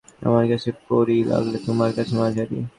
আমার কাছে পরী লাগলে তোমার কাছে মাঝারি।